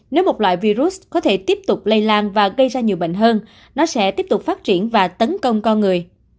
nếu một loại virus có thể tiếp tục lây lan và gây ra nhiều bệnh hơn nó sẽ tiếp tục phát triển và tấn công con người